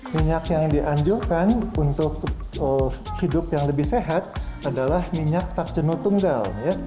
minyak yang dianjurkan untuk hidup yang lebih sehat adalah minyak tak jenuh tunggal